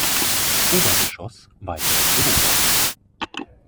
Obergeschoss weitere Büroräume.